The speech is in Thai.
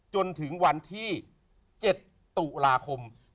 จนถึงวันที่๗ตุลาคม